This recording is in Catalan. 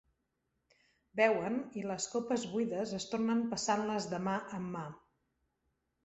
Beuen i les copes buides es tornen passant-les de mà en mà.